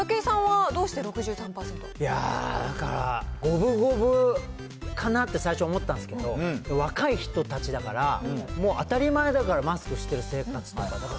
いやぁ、だから、五分五分かなって最初思ったんですけど、若い人たちだから、もう当たり前だから、マスクしてる生活とか。